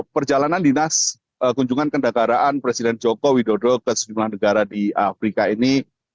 perjalanan dinas kunjungan kendegaraan presiden jokowi dodo ke sejumlah negara di afrika ini